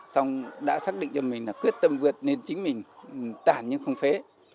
xong đã xác định cho mình là quyết tâm vượt nên chính mình tản nhưng không phế